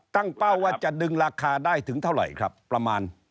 เป้าว่าจะดึงราคาได้ถึงเท่าไหร่ครับประมาณ